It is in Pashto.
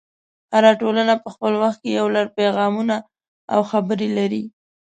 هره ټولنه په خپل وخت کې یو لړ پیغامونه او خبرې لري.